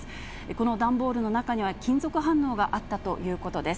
この段ボールの中には金属反応があったということです。